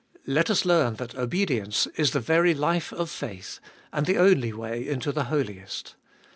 Let us learn that obedience is the very life of faith, and the only way into the Holiest.